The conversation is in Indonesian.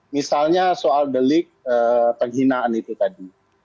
misalnya soal delik penghinaan itu tadi